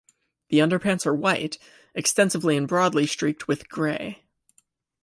The underparts are white, extensively and broadly streaked with grey.